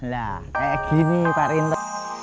lah kayak gini pak rinto